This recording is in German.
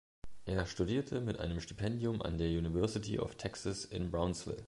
Er studierte mit einem Stipendium an der University of Texas in Brownsville.